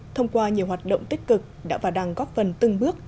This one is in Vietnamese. thông qua nhiều hoạt động tích cực đã và đang góp phần từng bước